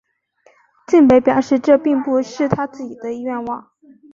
晋美表示这并不是他自己的愿望。